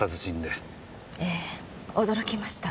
ええ驚きました。